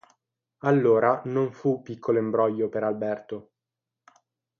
Allora non fu piccolo imbroglio per Alberto.